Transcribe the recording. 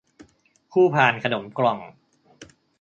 คู่พานขนมกล่อง